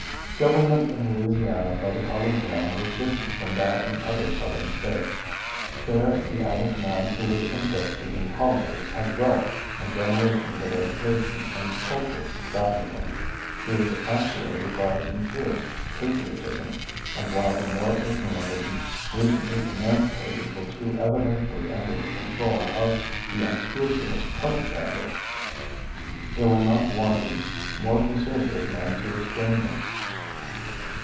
Government in Louisiana by the colored man was different from that in other Southern States. There the average man who was interested in politics had wealth and generations of education and culture back of him. He was actuated by sincerest patriotism, and while the more ignorant of the recently emancipated were too evidently under the control of the unscrupulous carpetbagger, there were not wanting more conservative men to restrain them.